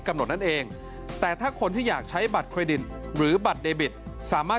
นั่นเองแต่ถ้าคนที่อยากใช้บัตรเครดิตหรือบัตรเดบิตสามารถ